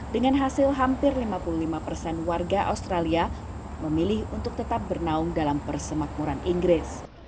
dengan hasil hampir lima puluh lima persen warga australia memilih untuk tetap bernaung dalam persemakmuran inggris